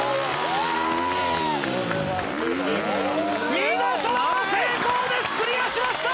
見事成功ですクリアしました！